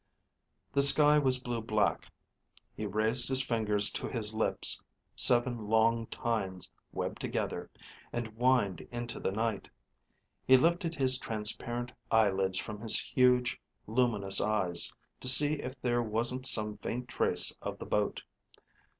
The sky was blue black. He raised his fingers to his lips (seven long tines webbed together) and whined into the night. He lifted his transparent eyelids from his huge, luminous eyes to see if there wasn't some faint trace of the boat.